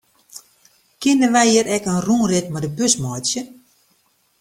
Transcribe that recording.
Kinne wy hjir ek in rûnrit mei de bus meitsje?